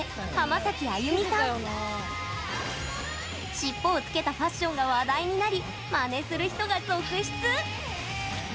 しっぽをつけたファッションが話題になりまねする人が続出！